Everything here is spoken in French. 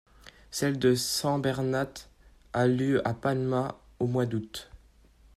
Celle de Sant Bernat a lieu à Palma, au mois d'août.